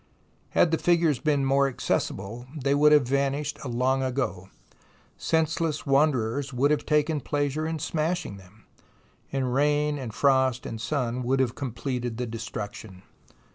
Had the figures been more accessible, they would have vanished long ago. Senseless wanderers would have taken pleasure in smashing them, and rain and frost and sun would have completed the destruction.